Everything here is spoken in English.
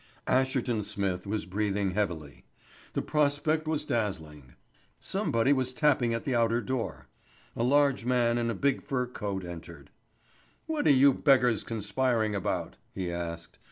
Asherton Smith was breathing heavily. The prospect was dazzling. Somebody was tapping at the outer door. A large man in a big fur coat entered. "What are you beggars conspiring about?" he asked.